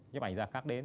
nhếp ảnh gia khác đến